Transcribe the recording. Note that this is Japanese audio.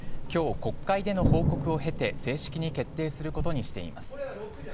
今日、国会での報告を経て正式に決定することにしています。